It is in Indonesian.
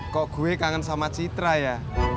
kok gue kangen sama citra ya